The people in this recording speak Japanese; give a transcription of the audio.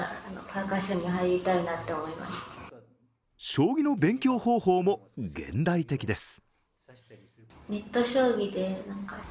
将棋の勉強方法も現代的です。